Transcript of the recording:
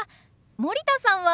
森田さんは？